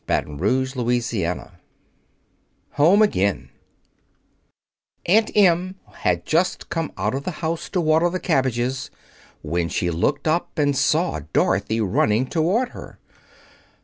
Chapter XXIV Home Again Aunt Em had just come out of the house to water the cabbages when she looked up and saw Dorothy running toward her.